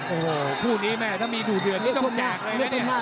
โอ้โหคู่นี้แม่ถ้ามีดูเดือดนี่ต้องแจกเลยนะเนี่ย